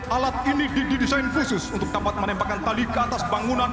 alat ini didesain khusus untuk dapat menembakkan tali ke atas bangunan